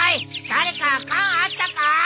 誰か缶あったかー？